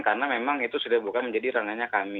karena memang itu sudah bukan menjadi ranahnya kami